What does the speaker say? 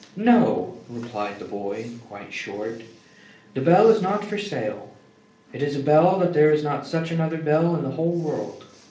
"No," replied the boy, quite short; "the bell is not for sale. It is a bell that there is not such another bell in the whole world.